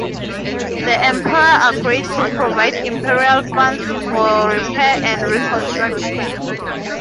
The emperor agreed to provide imperial funds for repair and reconstruction.